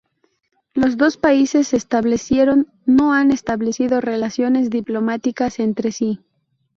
Los dos países establecieron no han establecido relaciones diplomáticas entre sí.